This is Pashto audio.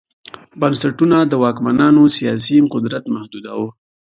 بنسټونه د واکمنانو سیاسي قدرت محدوداوه